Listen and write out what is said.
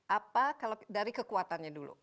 apa kalau dari kekuatannya dulu